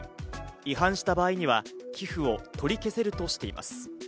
違反した場合には寄付を取り消せるとしています。